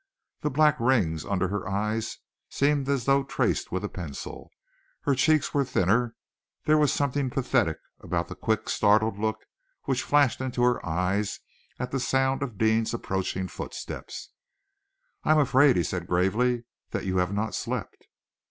The black rings under her eyes seemed as though traced with a pencil, her cheeks were thinner, there was something pathetic about the quick, startled look which flashed into her eyes at the sound of Deane's approaching footsteps. "I am afraid," he said gravely, "that you have not slept."